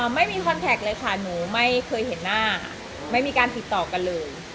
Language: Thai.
ไม่มีคอนแท็กเลยค่ะหนูไม่เคยเห็นหน้าค่ะไม่มีการติดต่อกันเลย